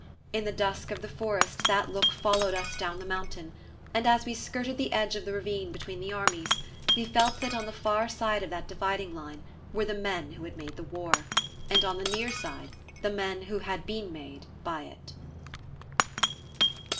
In the dusk of the forest that look followed us down the mountain; and as we skirted the edge of the ravine between the armies, we felt that on the far side of that dividing line were the men who had made the war, and on the near side the men who had been made by it.